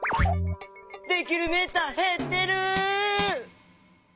できるメーターへってる！